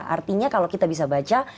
artinya kalau kita bisa baca